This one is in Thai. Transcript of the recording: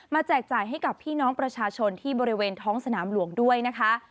แจกจ่ายให้กับพี่น้องประชาชนที่บริเวณท้องสนามหลวงด้วยนะคะ